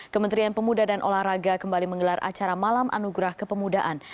kementerian pemuda dan olahraga kembali menggelar acara malam anugerah kepemudaan